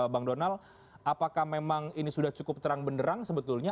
bang donal apakah memang ini sudah cukup terang benderang sebetulnya